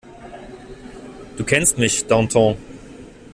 Du kennst mich, Danton.